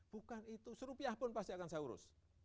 bukan itu serupiah pun pasti akan saya urus